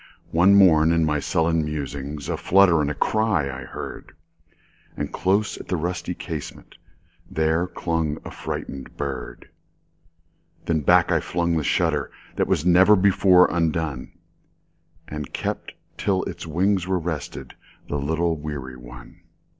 One morn, in my sullen musings,A flutter and cry I heard; And close at the rusty casementThere clung a frightened bird. Then back I flung the shutterThat was never before undone, And I kept till its wings were restedThe little weary one.